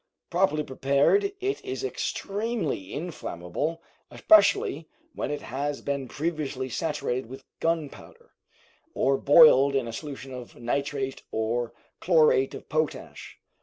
Properly prepared, it is extremely inflammable, especially when it has been previously saturated with gunpowder, or boiled in a solution of nitrate or chlorate of potash.